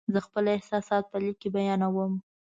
زه خپل احساسات په لیک کې بیانوم.